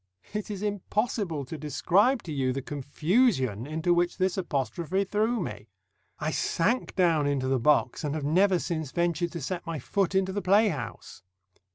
It is impossible to describe to you the confusion into which this apostrophe threw me. I sank down into the box, and have never since ventured to set my foot into the playhouse.